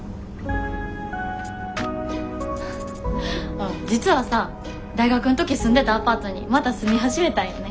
あっ実はさ大学ん時住んでたアパートにまた住み始めたんよね。